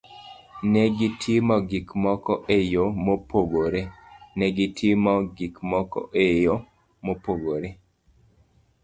Ne gitimo gik moko e yo mopogore. Ne gitimo gik moko e yo mopogore.